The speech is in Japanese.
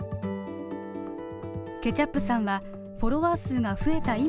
ケチャップさんはフォロワー数が増えた